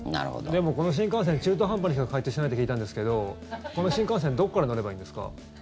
でも、この新幹線中途半端にしか開通してないって聞いたんですけどこの新幹線どこから乗ればいいんですか？